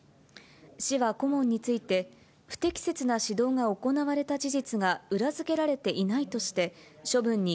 市は顧問について、不適切な指導が行われた事実が裏付けられていないとして、処分に